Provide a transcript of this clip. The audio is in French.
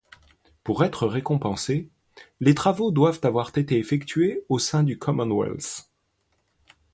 Pour être récompensés, les travaux doivent avoir été effectués au sein du Commonwealth.